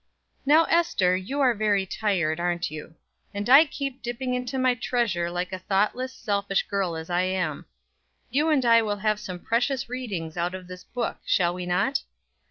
'" "Now, Ester, you are very tired, aren't you? and I keep dipping into my treasure like a thoughtless, selfish girl as I am. You and I will have some precious readings out of this book, shall we not?